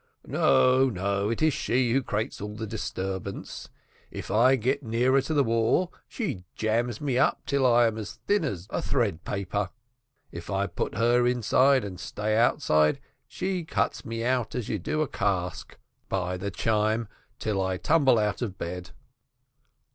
"No, no, it is she who creates all the disturbance. If I get nearer to the wall she jams me up till I am as thin as a thread paper. If I put her inside and stay outside, she cuts me out as you do a cask, by the chine, till I tumble out of bed."